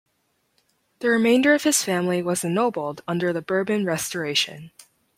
The remainder of his family was ennobled under the Bourbon Restoration.